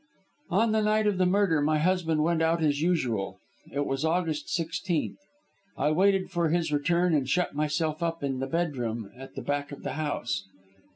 On the night of the murder my husband went out as usual. It was August 16th. I waited for his return and shut myself up in the bedroom at the back of the house.